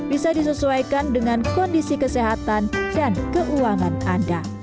bisa disesuaikan dengan kondisi kesehatan dan keuangan anda